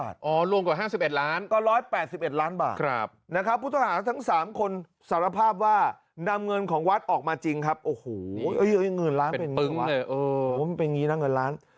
เป็นปึ๊งเลยโอ้โหมันเป็นอย่างนี้นะเงินล้าน